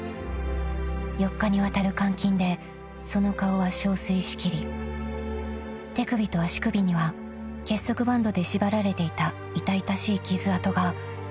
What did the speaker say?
［４日にわたる監禁でその顔は憔悴し切り手首と足首には結束バンドで縛られていた痛々しい傷痕が幾つも残っている］